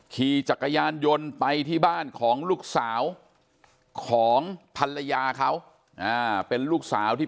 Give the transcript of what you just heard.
ขี่จักรยานยนต์ไปที่บ้านของลูกสาวของภรรยาเขาเป็นลูกสาวที่